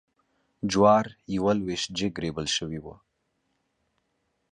جوارېوه لویشت جګ ریبل شوي وې.